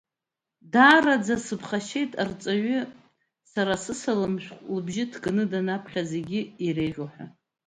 Даараӡа сыԥхашьеит арҵаҩы сара сысаламшәҟәы лыбжьы ҭыганы данаԥхьа, зегьы иреиӷьу ҳәа…